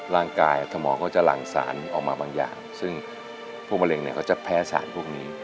ร่างกายสมองก็จะหลั่งสารออกมาบางอย่างซึ่งพวกมะเร็งเนี่ยเขาจะแพ้สารพวกนี้